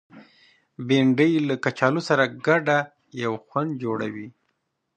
بېنډۍ له کچالو سره ګډه یو خوند جوړوي